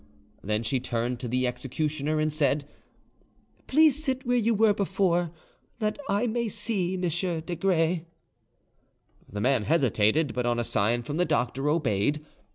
Then she turned to the executioner and said, "Please sit where you were before, that I may see M. Desgrais." The man hesitated, but on a sign from the doctor obeyed.